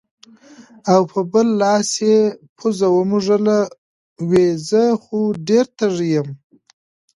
او پۀ بل لاس يې پوزه ومږله وې زۀ خو ډېر تږے يم